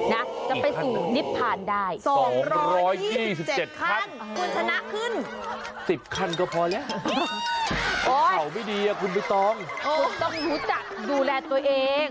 อีกคันเหรอ๒๒๗คันคุณชนะขึ้นอีกคันเหรอ๒๒๗คันคุณชนะขึ้น